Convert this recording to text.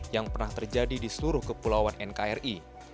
yang pernah terjadi di seluruh kepulauan nkri